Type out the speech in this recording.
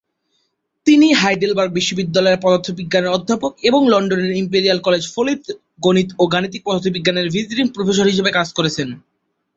তিনি হাইডেলবার্গ বিশ্ববিদ্যালয়ের পদার্থবিজ্ঞানের অধ্যাপক এবং লন্ডনের ইম্পেরিয়াল কলেজে ফলিত গণিত ও গাণিতিক পদার্থবিজ্ঞানের ভিজিটিং প্রফেসর হিসেবে কাজ করছেন।